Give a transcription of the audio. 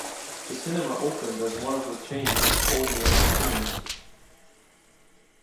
The cinema opened as one of the chain of Odeon Cinemas.